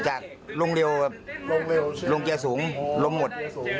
ก็จากลงเร็วครับลงเจียสูงลมหมด